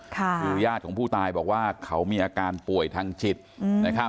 คือญาติของผู้ตายบอกว่าเขามีอาการป่วยทางจิตนะครับ